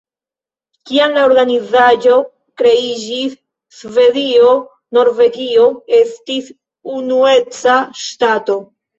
Kiam la organizaĵo kreiĝis, Svedio-Norvegio estis unueca ŝtato.